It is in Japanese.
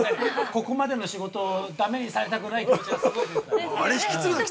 ここまでの仕事をだめにされたくない気持ちがすごい出てた。